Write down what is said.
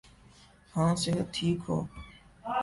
ہاں صحت ٹھیک ہو۔